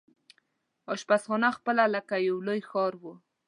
اشپزخانه پخپله لکه یو لوی ښار وو.